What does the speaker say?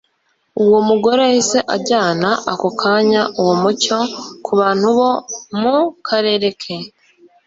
Uwo mugore yahise ajyana ako kanya uwo mucyo ku bantu bo mu karere ke.